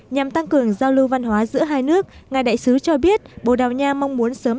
nhằm tăng cường giao lưu văn hóa giữa hai nước ngài đại sứ cho biết bồ đào nha mong muốn sớm